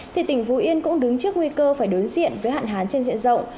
thì tỉnh phú yên cũng đứng trước nguy cơ phải đối diện với hạn hán trên diện rộng